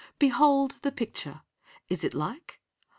Behold the picture! Is it like?